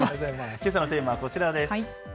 けさのテーマはこちらです。